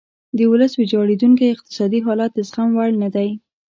د ولس ویجاړیدونکی اقتصادي حالت د زغم وړ نه دی.